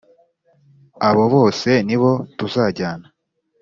abobose nibo tuzajyana.